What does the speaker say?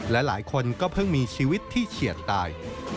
และหลายคนก็เพิ่งมีชีวิตที่เฉียดตาย